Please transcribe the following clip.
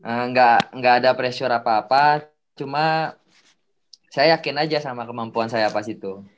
enggak ada pressure apa apa cuma saya yakin aja sama kemampuan saya pas itu